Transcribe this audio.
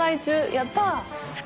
やった！